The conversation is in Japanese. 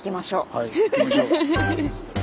はい行きましょう。